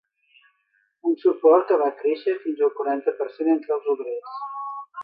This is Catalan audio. Un suport que va créixer fins al quaranta per cent entre els obrers.